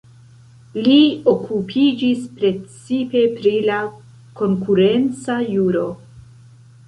Li okupiĝis precipe pri la konkurenca juro.